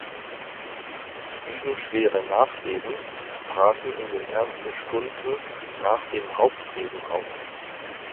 Sieben schwere Nachbeben traten in den ersten Stunden nach dem Hauptbeben auf.